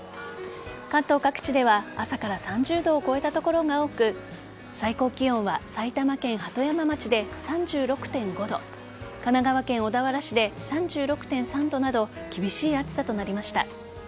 関東各地では朝から３０度を超えた所が多く最高気温は埼玉県鳩山町で３６．５度神奈川県小田原市で３６．３度など厳しい暑さとなりました。